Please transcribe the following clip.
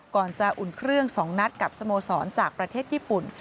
ก่อนจะอุ่นเครื่อง๒นัดกับสโมสรจากประเทศญี่ปุ่น